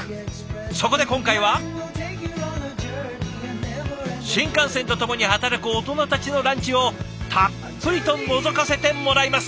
そこで今回は新幹線と共に働くオトナたちのランチをたっぷりとのぞかせてもらいます！